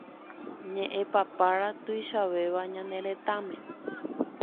ñe'ẽpapára tuichavéva ñane retãme